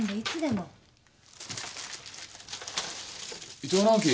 伊藤直季